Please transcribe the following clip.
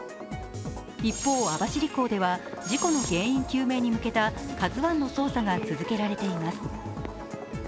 一方、網走港では事故の原因究明に向けた「ＫＡＺＵⅠ」の捜査が続けられています。